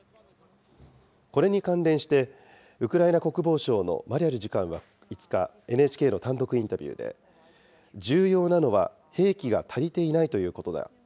これに関連して、ウクライナ国防省のマリャル次官は５日、ＮＨＫの単独インタビューで、重要なのは兵器が足りていないということだ。